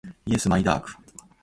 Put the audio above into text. イエスマイダーク